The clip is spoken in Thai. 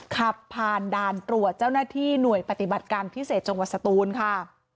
ขับผ่านด่านตรวจเจ้าหน้าที่หน่วยปฏิบัติการพิเศษจังหวัดสตูนค่ะ